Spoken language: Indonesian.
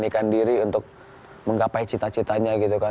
melarikan diri untuk menggapai cita citanya gitu kan